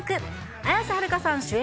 綾瀬はるかさん主演